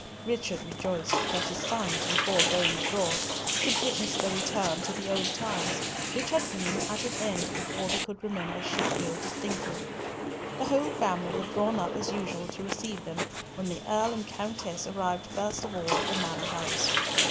Richard rejoiced that his sons, before going abroad, should witness the return to the old times which had been at an end before they could remember Sheffield distinctly. The whole family were drawn up as usual to receive them, when the Earl and Countess arrived first of all at the Manor house.